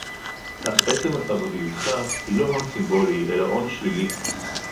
אך עצם ערביותך היא לא הון סימבולי אלא הון שלילי